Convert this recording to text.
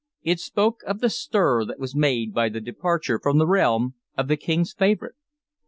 It spoke of the stir that was made by the departure from the realm of the King's favorite.